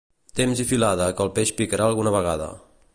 Temps i filada, que el peix picarà alguna vegada.